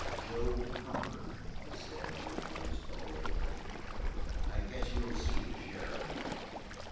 "Joe Cumber," he said, when the noise fell away a little, "I guess you'll see the sheriff.